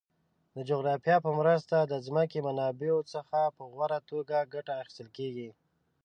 د جغرافیه په مرسته د ځمکې منابعو څخه په غوره توګه ګټه اخیستل کیږي.